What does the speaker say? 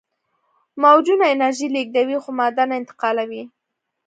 موجونه انرژي لیږدوي خو ماده نه انتقالوي.